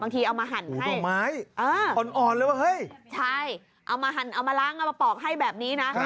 บางทีเอามาหั่นให้เออใช่เอามาล้างเอามาปอกให้แบบนี้นะ